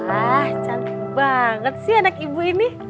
ah cantik banget sih anak ibu ini